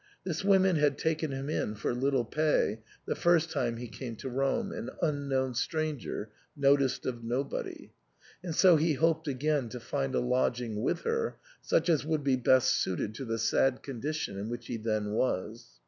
This women had taken him in for little pay the first time he came to Rome, an unknown stranger noticed of nobody ; and so he hoped again to find a lodging with her, such as would be best suited to the sad condition in which he then was.